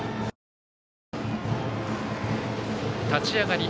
立ち上がり